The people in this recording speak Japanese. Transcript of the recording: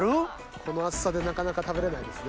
この厚さでなかなか食べれないですね。